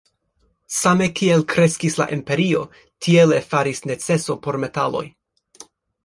Same kiel kreskis la imperio, tiele faris neceso por metaloj.